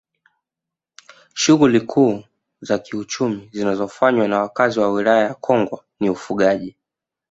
Shughuli kuu za kiuchumu zinazofanywa na wakazi wa Wilaya ya Kongwa ni ufugaji